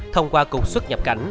thông qua cuộc xuất nhập cảnh